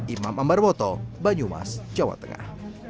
imam ambarwoto banyumas jawa tengah